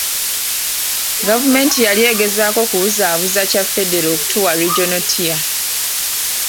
Gavumenti yali egezaako kubuzaabuza ekya Federo okutuwa Regional tier.